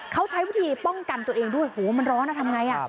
เขาใช้วิธีป้องกันตัวเองด้วยโหมันร้อนนะทำไง